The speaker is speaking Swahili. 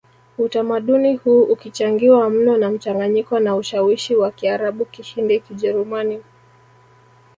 Utamaduni huu ukichangiwa mno na mchanganyiko na ushawishi wa Kiarabu Kihindi Kijerumani